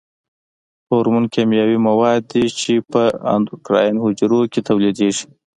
هورمون کیمیاوي مواد دي چې په اندوکراین حجرو کې تولیدیږي.